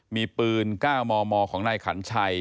มีปืนก้าวมมของนายขันต์ชัย